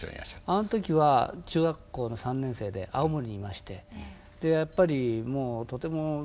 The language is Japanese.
あの時は中学校の３年生で青森にいましてでやっぱりもうとても煙ったねえ